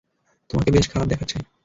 তোমাকে বেশ খারাপ দেখাচ্ছে।